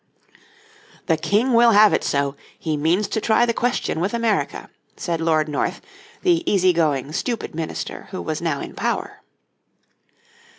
"The King will have it so, he means to try the question with America," said Lord North, the easy going, stupid minister who was now in power.